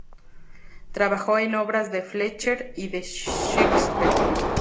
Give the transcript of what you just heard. Trabajó en obras de Fletcher y de Shakespeare.